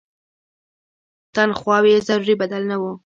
تنخواوې یې ضروري بدل نه وو.